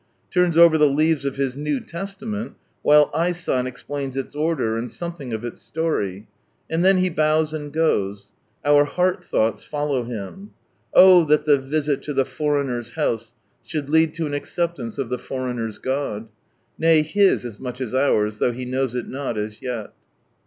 Turns over the leaves of his New Testament, while I. San explains its order, and something of its story. And then he bows and goes. Cuf heart though is follow him. Oh chat the visit to the foreigner's house should lead to an acceptance of the foreigner's God. Nay his as much as ours, though he knows it not as yet.